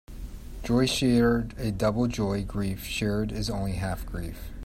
Joy shared is double joy; grief shared is only half grief.